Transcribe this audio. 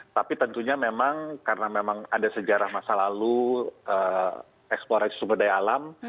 tapi tentunya memang karena memang ada sejarah masa lalu eksplorasi sumber daya alam